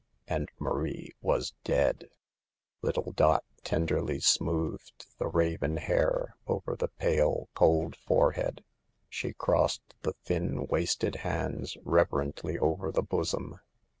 And Marie was dead. Little Dot tenderly 94 SAVE THE GIRLS. smoothed the raven hair over the pale, cold forehead ; she crossed the thin, wasted hands reverently over the bosom.